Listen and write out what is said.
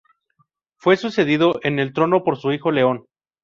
Fue sucedido en el trono por su hijo León.